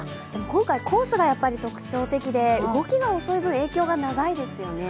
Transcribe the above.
今回コースが特徴的で動きが遅い分、影響が長いですよね。